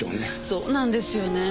そうなんですよね。